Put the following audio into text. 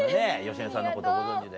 芳根さんのことご存じで。